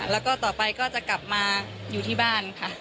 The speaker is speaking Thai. แล้วก็ต่อไปก็จะกลับมาอยู่ที่บ้านค่ะ